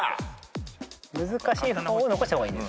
難しい方を残した方がいいんですもんね。